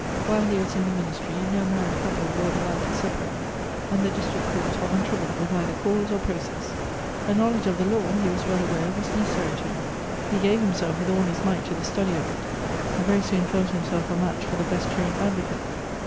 While he was in the ministry, no married couple were allowed to sepa rate ; and the district courts were untroubled with either cause or process. A knowledge of the law, ho was well aware, was necessary to him. He gave himself with all his might to the study of it, and very soon felt himself a match for the best trained advocate.